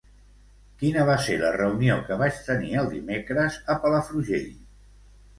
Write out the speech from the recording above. Quina va ser la reunió que vaig tenir el dimecres a Palafrugell?